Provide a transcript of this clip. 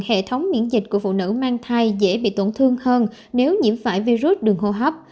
hệ thống miễn dịch của phụ nữ mang thai dễ bị tổn thương hơn nếu nhiễm phải virus đường hô hấp